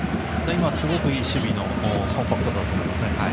今、すごくいい守備のコンパクトさだったと思います。